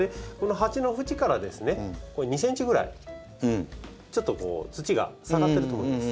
鉢の縁からですね２ｃｍぐらいちょっと土が下がってると思います。